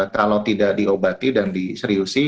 kalau tidak diobati dan diseriusi